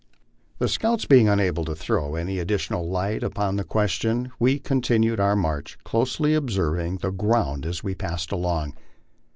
The scouts being unable to throw any additional light upon the question, we continued our march, closely observing the ground as we passed along.